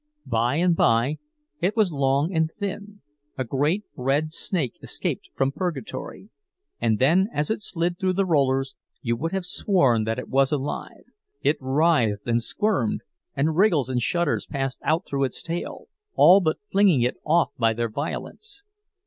By and by it was long and thin, a great red snake escaped from purgatory; and then, as it slid through the rollers, you would have sworn that it was alive—it writhed and squirmed, and wriggles and shudders passed out through its tail, all but flinging it off by their violence.